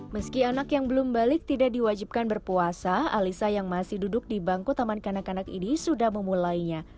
meski anak yang belum balik tidak diwajibkan berpuasa alisa yang masih duduk di bangku taman kanak kanak ini sudah memulainya